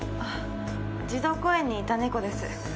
児童公園にいた猫です。